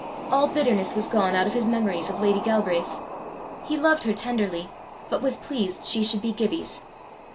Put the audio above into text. All bitterness was gone out of his memories of lady Galbraith. He loved her tenderly, but was pleased she should be Gibbie's.